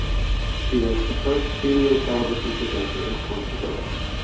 She was the first female television presenter in Portugal.